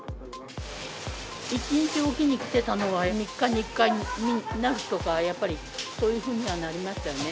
１日置きに来てたのが、３日に１回になるとかはやっぱり、そういうふうにはなりましたよね。